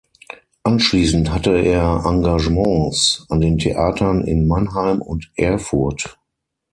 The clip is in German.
Anschließend hatte er Engagements an den Theatern in Mannheim, und Erfurt.